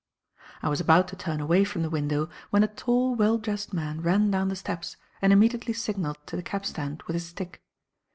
I was about to turn away from the window when a tall, well dressed man ran down the steps and immediately signalled to the cabstand with his stick.